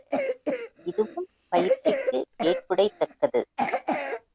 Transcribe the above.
இதுவும் பயிற்சிக்கு ஏற்புடைதக்கது.